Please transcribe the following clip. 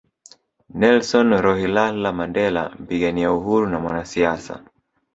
Nelson Rolihlahla Mandela mpigania uhuru na mwanasiasa